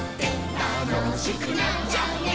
「たのしくなっちゃうね」